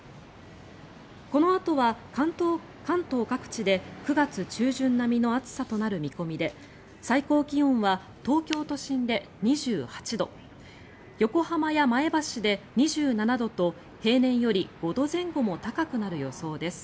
このあとは関東各地で９月中旬並みの暑さとなる見込みで最高気温は東京都心で２８度横浜や前橋で２７度と平年より５度前後も高くなる予想です。